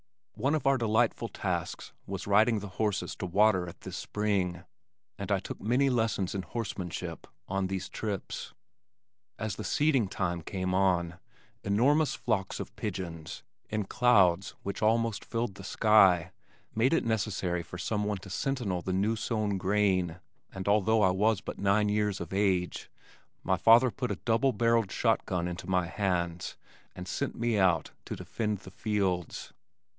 One of our delightful tasks was riding the horses to water at this spring, and I took many lessons in horsemanship on these trips. As the seeding time came on, enormous flocks of pigeons, in clouds which almost filled the sky, made it necessary for some one to sentinel the new sown grain, and although I was but nine years of age, my father put a double barrelled shotgun into my hands, and sent me out to defend the fields.